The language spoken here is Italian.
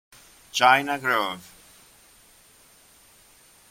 China Grove